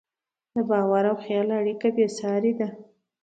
د باور او خیال اړیکه بېساري ده.